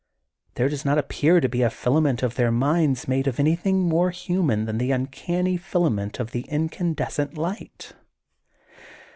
There does not appear to be a fila ment of their minds made of anything more human than the uncanny filament of the in candescent light.